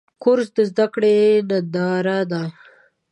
کورس د زده کړو ننداره ده.